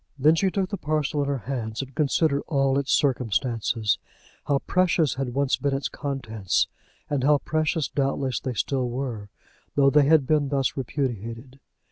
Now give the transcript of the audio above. Then she took the parcel in her hands, and considered all its circumstances, how precious had once been its contents, and how precious doubtless they still were, though they had been thus repudiated!